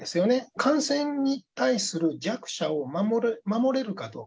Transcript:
感染に対する弱者を守れるかどうか。